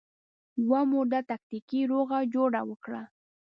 یوه موده تکتیکي روغه جوړه وکړه